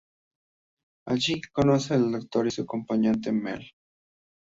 Allí, conoce al Doctor y su acompañante Mel.